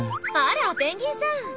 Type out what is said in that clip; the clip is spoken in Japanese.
あらペンギンさん！